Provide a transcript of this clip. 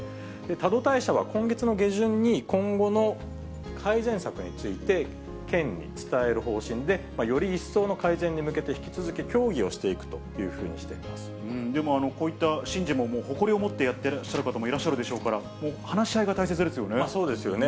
多度大社は今月の下旬に、今後の改善策について、県に伝える方針で、より一層の改善に向けて引き続き協議をしていくというふうにしてでもこういった神事も、誇りを持ってやってらっしゃる方もいらっしゃるでしょうから、そうですよね。